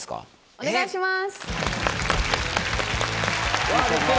お願いします。